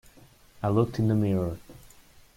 I looked in the mirror.